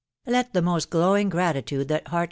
* Let the most glowing gratitude that "YveaxX.